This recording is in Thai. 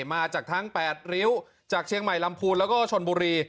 มาจากทั้ง๘ริ้วจากเชียงใหม่ลำพูนแล้วก็ชนบุรี